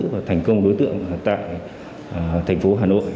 và thành công đối tượng tại thành phố hà nội